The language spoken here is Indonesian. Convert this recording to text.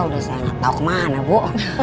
udah saya gak tau kemana bu